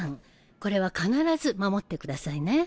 これは必ず守ってくださいね。